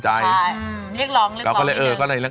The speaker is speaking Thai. ใช่เรียกร้องเรียกร้องนิดนึง